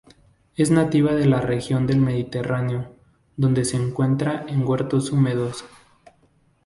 Es nativa de la región del Mediterráneo donde se encuentra en huertos húmedos.